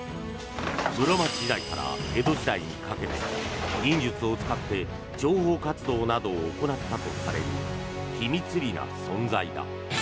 室町時代から江戸時代にかけて忍術を使って諜報活動などを行ったとされる秘密裏な存在だ。